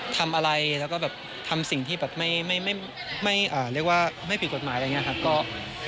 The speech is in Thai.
ทำอะไรแล้วก็ทำสิ่งที่ไม่ผิดกฎหมายอะไรอย่างนี้ครับ